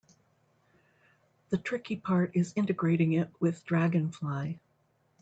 The tricky part is integrating it with Dragonfly.